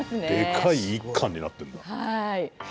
でかい１貫になってんだ。